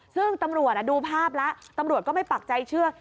ซึ่งตำรวจดูภาพแล้วตำรวจก็ไม่ปักใจเชื่อ